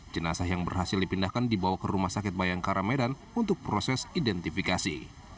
jenazah yang berhasil dipindahkan dibawa ke rumah sakit bayangkara medan untuk proses identifikasi